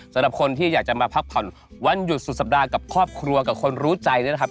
สำหรับคนที่อยากจะมาพักผ่อนวันหยุดสุดสัปดาห์กับครอบครัวกับคนรู้ใจเนี่ยนะครับ